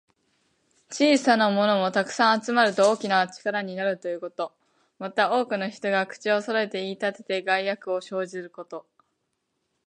小さなものも、たくさん集まると大きな力になるということ。また、多くの人が口をそろえて言いたてて、害悪を生じること。